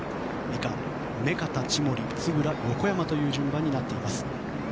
以下、目片、千守、円横山という順番になっています。